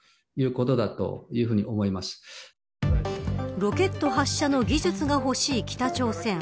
ロケット発射の技術が欲しい北朝鮮。